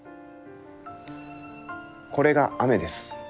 これが雨です。